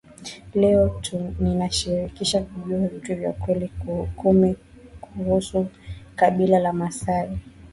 Leo ninakushirikisha kujuwa vitu vya kweli kumi kuhusu kabila la maasai